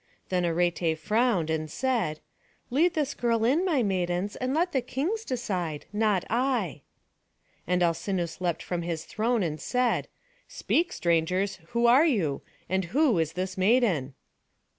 Then Arete frowned, and said: "Lead this girl in, my maidens; and let the kings decide, not I." And Alcinous leapt up from his throne, and cried, "Speak, strangers, who are you? And who is this maiden?"